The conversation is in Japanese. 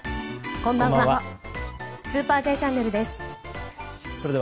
こんばんは。